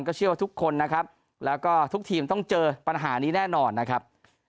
เชื่อว่าทุกคนนะครับแล้วก็ทุกทีมต้องเจอปัญหานี้แน่นอนนะครับ